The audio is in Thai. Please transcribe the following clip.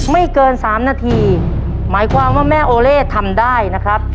ไม่เกินสามนาทีหมายความว่าแม่โอเล่ทำได้นะครับ